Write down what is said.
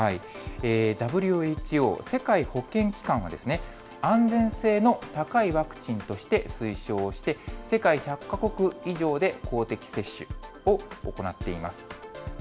ＷＨＯ・世界保健機関は、安全性の高いワクチンとして推奨して、世界１００か国以上で公的接種を行っています。